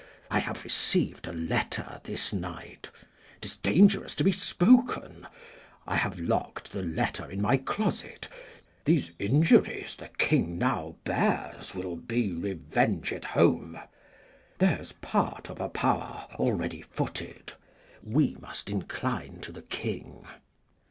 I have received a letter this night 'tis dangerous to be spoken I have lock'd the letter in my closet. These injuries the King now bears will be revenged home; there's part of a power already footed; we must incline to the King.